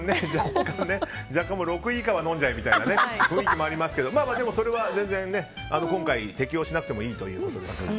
６位以下は飲んじゃえみたいな雰囲気もありますけどでも、それは今回適用しなくてもいいということですので。